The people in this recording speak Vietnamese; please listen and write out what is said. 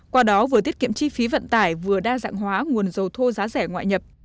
qua đó vừa tiết kiệm chi phí vận tải vừa đa dạng hóa nguồn dầu thô giá rẻ ngoại nhập